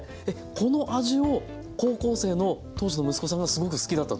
この味を高校生の当時の息子さんがすごく好きだったと。